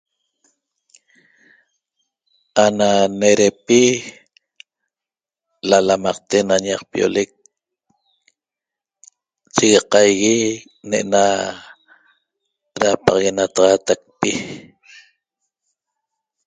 Ana nerepi lalamaqte na ñaqpioleq cheqague nena lapaxaguenataxateqpi